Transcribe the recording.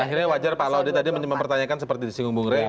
akhirnya wajar pak laudy tadi mempertanyakan seperti di singgung bungre